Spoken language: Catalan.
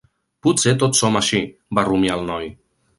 Potser tots som així, va rumiar el noi.